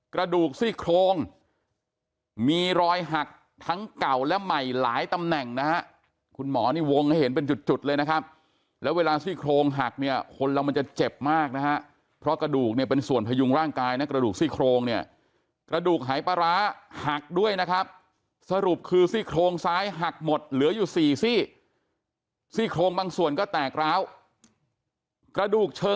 กระดูกซี่โครงมีรอยหักทั้งเก่าและใหม่หลายตำแหน่งนะฮะคุณหมอนี่วงให้เห็นเป็นจุดเลยนะครับแล้วเวลาซี่โครงหักเนี่ยคนเรามันจะเจ็บมากนะฮะเพราะกระดูกเนี่ยเป็นส่วนพยุงร่างกายนะกระดูกซี่โครงเนี่ยกระดูกหายปลาร้าหักด้วยนะครับสรุปคือซี่โครงซ้ายหักหมดเหลืออยู่สี่ซี่ซี่โครงบางส่วนก็แตกร้าวกระดูก